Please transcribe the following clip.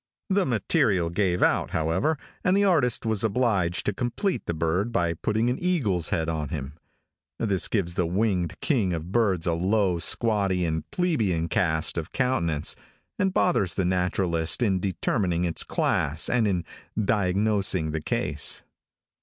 The material gave out, however, and the artist was obliged to complete the bird by putting an eagle's head on him. This gives the winged king of birds a low, squatty and plebian cast of countenance, and bothers the naturalist in determining its class and in diagnosing the case.